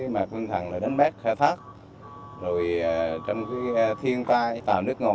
mà phương thẳng là đánh bắt khai thác rồi trong khi thiên tai tàu nước ngồn